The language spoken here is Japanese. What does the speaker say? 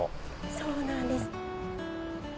そうなんです。